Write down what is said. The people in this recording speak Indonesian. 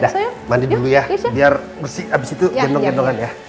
udah mandi dulu ya biar bersih abis itu jendong jendongan ya